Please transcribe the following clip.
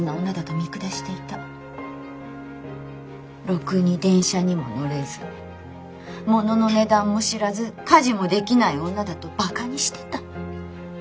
ろくに電車にも乗れず物の値段も知らず家事もできない女だとバカにしてた。